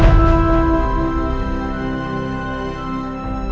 ibu bunda disini nak